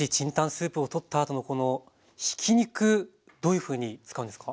スープをとったあとのこのひき肉どういうふうに使うんですか？